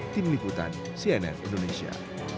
tim liputan cnn indonesia